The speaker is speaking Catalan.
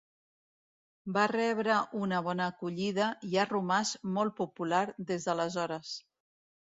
Va rebre una bona acollida i ha romàs molt popular des d'aleshores.